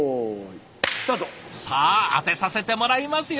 さあ当てさせてもらいますよ！